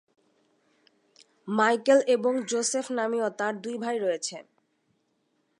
Michael এবং Joseph নামীয় তার দুই ভাই রয়েছে।